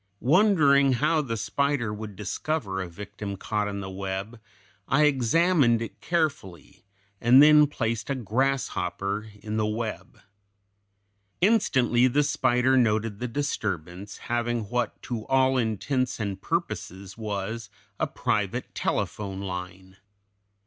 Wondering how the spider would discover a victim caught in the web, I examined it carefully, and then placed a grasshopper in the web. Instantly the spider noted the disturbance, having what to all intents and purposes was a private telephone line.